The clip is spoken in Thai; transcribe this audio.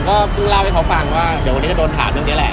ก็เพิ่งเล่าให้เขาฟังว่าเดี๋ยววันนี้จะโดนถามเรื่องนี้แหละ